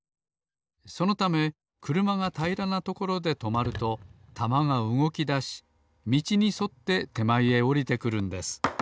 そのためくるまがたいらなところでとまるとたまがうごきだしみちにそっててまえへおりてくるんです。